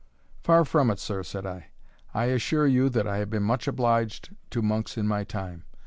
"Far from it, sir," said I; "I assure you I have been much obliged to monks in my time.